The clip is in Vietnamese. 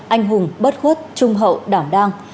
anh hùng bất khuất trung hậu đảng đang